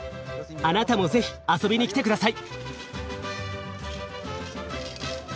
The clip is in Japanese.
あなたもぜひ遊びに来てください！